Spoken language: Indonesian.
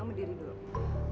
anda juga akan juga dapat